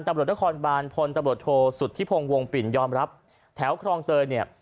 ตำรวจนครบานพลตำรวจโทษสุธิพงศ์วงปิ่นยอมรับแถวครองเตยเนี่ย